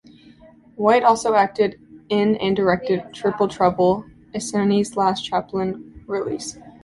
White also acted in and directed "Triple Trouble", Essanay's last Chaplin release.